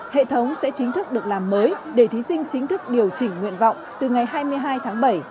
hệ thống sẽ chính thức được làm mới để thí sinh chính thức điều chỉnh nguyện vọng từ ngày hai mươi hai tháng bảy